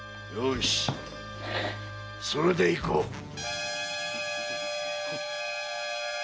よしそれでいこう。